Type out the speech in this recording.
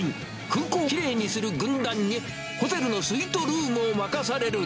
空港をきれいにする軍団に、ホテルのスイートルームを任される。